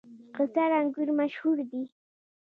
قیصار انګور مشهور دي؟